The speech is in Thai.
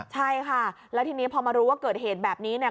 ใช่ค่ะแล้วทีนี้พอมารู้ว่าเกิดเหตุแบบนี้เนี่ย